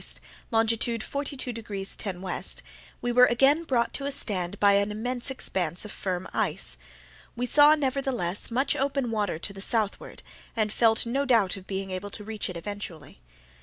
longitude 42 degrees 10' W, we were again brought to a stand by an immense expanse of firm ice. We saw, nevertheless, much open water to the southward, and felt no doubt of being able to reach it eventually.